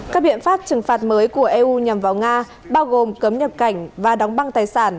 các biện pháp trừng phạt mới của eu nhằm vào nga bao gồm cấm nhập cảnh và đóng băng tài sản